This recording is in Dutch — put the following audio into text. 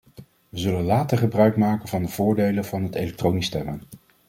We zullen later gebruik maken van de voordelen van het elektronisch stemmen.